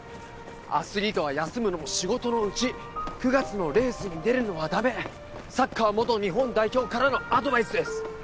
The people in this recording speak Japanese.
アスリートは休むのも仕事のうち９月のレースに出るのはダメサッカー元日本代表からのアドバイスです！